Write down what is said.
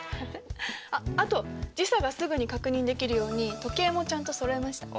あっあと時差がすぐに確認できるように時計もちゃんとそろえました。